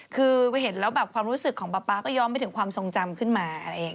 คือเห็นแล้วความรู้สึกของป๊าก็ยอมไปถึงความทรงจำขึ้นมา